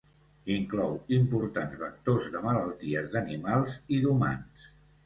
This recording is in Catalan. Inclou importants vectors de malalties d'animals i d'humans.